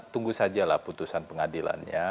tunggu sajalah putusan pengadilannya